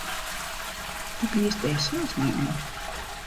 Hoe giest dêr sels mei om?